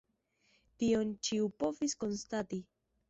Tion ĉiu povis konstati.